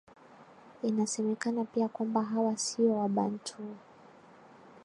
Inasemekana pia kwamba hawa siyo Wabantu